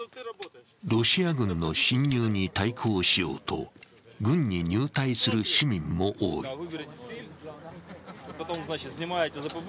ロシア軍の侵入に対抗しようと軍に入隊する市民も多い。